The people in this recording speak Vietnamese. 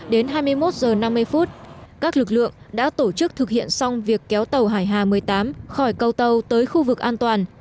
đến hai mươi một h năm mươi các lực lượng đã tổ chức thực hiện xong việc kéo tàu hải hà một mươi tám khỏi câu tàu tới khu vực an toàn